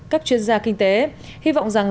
các chuyên gia kinh tế hy vọng rằng